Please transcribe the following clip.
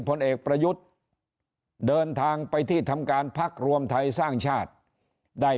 ผลเอกประยุทธ์เดินทางไปที่ทำการพักรวมไทยสร้างชาติได้